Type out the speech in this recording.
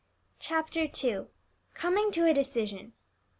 CHAPTER II. COMING TO A DECISION.